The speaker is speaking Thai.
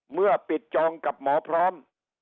เมื่อปิดจองกับหมอพร้อม